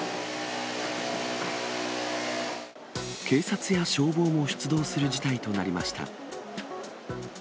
警察や消防も出動する事態となりました。